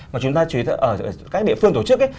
mà chúng ta chỉ ở các địa phương tổ chức ấy